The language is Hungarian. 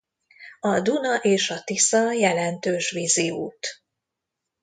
A Duna és a Tisza jelentős vízi út.